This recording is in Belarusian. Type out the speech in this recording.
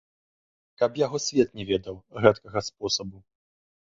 Каб яго свет не ведаў, гэткага спосабу!